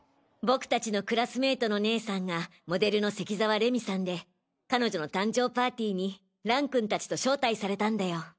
僕たちのクラスメートの姉さんがモデルの関澤礼美さんで彼女の誕生パーティーに蘭君たちと招待されたんだよ。